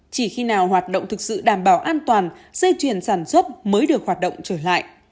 chỉ khi nào hoạt động thực sự đảm bảo an toàn dây chuyển sản xuất mới được hoạt động trở lại